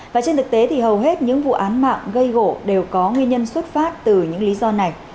và trên thực tế thì hầu hết những vụ án mạng gây gỗ đều có nguyên nhân xuất phát từ những lý do này